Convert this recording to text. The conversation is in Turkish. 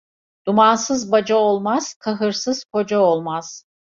Dumansız baca olmaz, kahırsız koca olmaz.